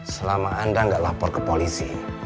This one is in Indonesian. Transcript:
selama anda nggak lapor ke polisi